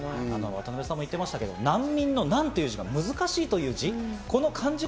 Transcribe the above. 渡部さんも言ってましたけど難民の「難」という字が難しいという字。